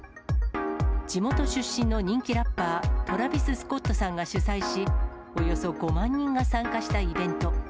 地元出身の人気ラッパー、トラビス・スコットさんが主催し、およそ５万人が参加したイベント。